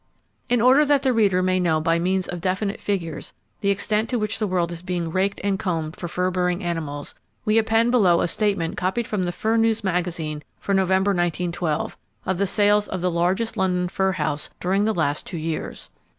In order that the reader may know by means of definite figures the extent to which the world is being raked and combed for fur bearing animals, we append below a statement copied from the Fur News Magazine for November, 1912, of the sales of the largest London fur house during the past two years.